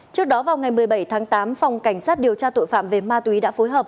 trước đó vào ngày một mươi bảy tháng tám phòng cảnh sát điều tra tội phạm về ma túy đã phối hợp